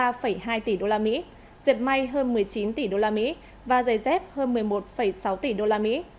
máy tính sản phẩm điện tử linh kiện hơn ba mươi ba hai tỷ usd dẹp may hơn một mươi chín tỷ usd và giày dép hơn một mươi một sáu tỷ usd